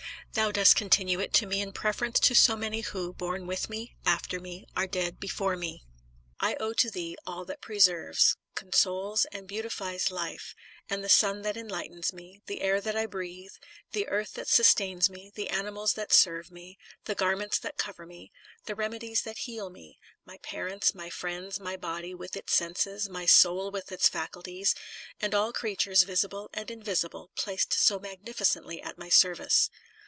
Thou dost continue it to me in preference to so many who, born with me, after me, are dead before me. I owe to thee all that preserves, con soles, and beautifies life; and the sun that enlightens me, the air that I breathe, the earth that sustains me, the animals that serve me, the garments that cover me, the remedies that heal me, my parents, my friends, my body with its senses, my soul with its facul ties, and all creatures visible and invisible, placed so magnificently at my service.